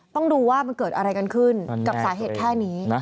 ต้องดูว่ามันเกิดอะไรกันขึ้นกับสาเหตุแค่นี้